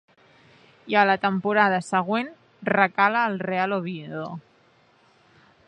I a la temporada següent, recala al Real Oviedo.